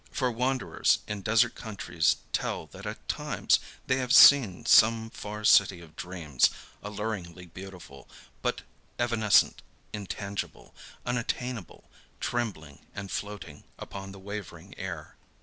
For wanderers in desert countries tell that at times they have seen some far city of dreams, alluringly beautiful, but evanescent, intangible, unattainable, trembling and floating upon the wavering air.